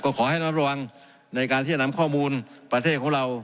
ขอให้รับระวังในการที่จะนำข้อมูลประเทศของเรา